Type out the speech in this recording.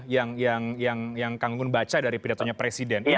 yang kang gunggun baca dari pidatonya presiden